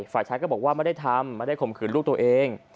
ฝ่ายชายก็บอกว่าไม่ได้ทำไม่ได้ข่มขืนลูกตัวเอง